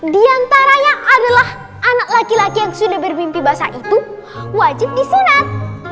di antaranya adalah anak laki laki yang sudah bermimpi bahasa itu wajib di sunat